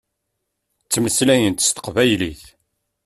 Ttmeslayent s teqbaylit.